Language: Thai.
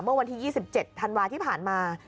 เมื่อวันที่๒๗ธันวาที่ผ่านมา